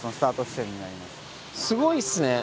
すごいっすね。